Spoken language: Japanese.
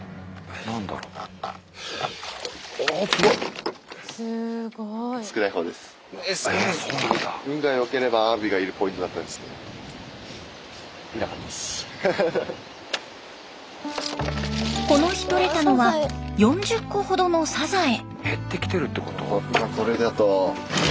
おすごい！この日とれたのは４０個ほどのサザエ。